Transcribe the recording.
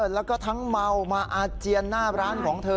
แล้วก็ทั้งเมามาอาเจียนหน้าร้านของเธอ